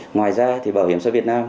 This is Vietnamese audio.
ngoài ra thì bảo hiểm xã hội việt nam